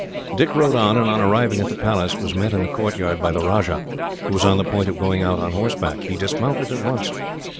Dick rode on, and on arriving at the palace was met in the courtyard by the Rajah, who was on the point of going out on horseback. He dismounted at once.